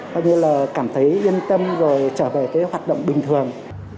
coi như là cảm thấy yên tâm rồi trở về cái hoạt động bình thường